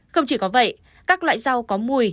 không chỉ có vậy các loại rau có mùi